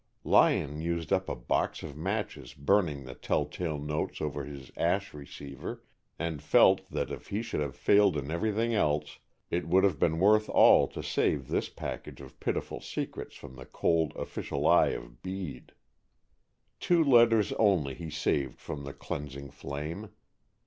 Lyon used up a box of matches burning the telltale notes over his ash receiver, and felt that if he should have failed in everything else, it would have been worth all to save this package of pitiful secrets from the cold official eye of Bede. Two letters only he saved from the cleansing flame.